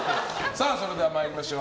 それでは参りましょう。